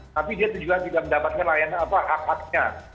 tapi dia juga tidak mendapatkan layanan apa ak aknya